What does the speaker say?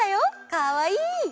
かわいい！